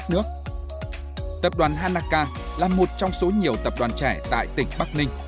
tập đoàn hanaka là một trong số nhiều tập đoàn trẻ tại tỉnh bắc ninh